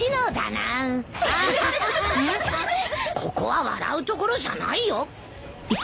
ここは笑うところじゃないよ。